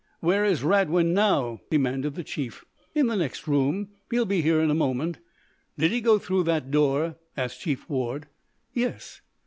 "Where is Radwin now?" demanded the chief. "In the next room. He'll be here in a moment." "Did he go through that door?" asked Chief Ward. "Yes."